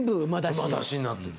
馬出しになってる。